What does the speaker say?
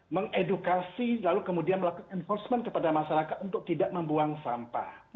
mengedukasi lalu kemudian melakukan enforcement kepada masyarakat untuk tidak membuang sampah